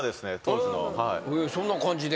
そんな感じで？